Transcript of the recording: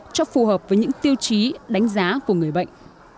cho phù hợp với những tiêu chí đánh giá của người bệnh